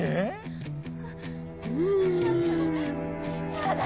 やだ！